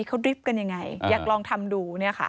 เขาดริปกันยังไงอยากลองทำดู